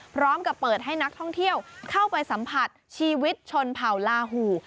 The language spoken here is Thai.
พร้อมกับเปิดให้นักท่องเที่ยวเข้าไปสัมผัสชีวิตชนเผ่าลาหู